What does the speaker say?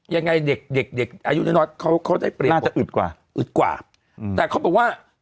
ยังไงเด็กอายุน้อยน้อยเขาได้เปลี่ยนอืดกว่าแต่เขาบอกว่า